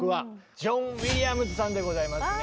ジョン・ウィリアムズさんでございますね。